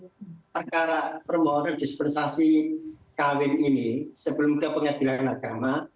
perkara permohonan dispensasi kawin ini sebelum ke pengadilan agama